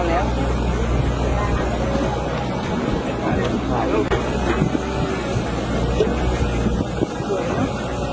แล้วก็คิดว่าคุณจะดูเหมือนกัน